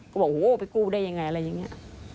ก็บอกโหไปกู้ได้ยังไงอะไรอย่างนี้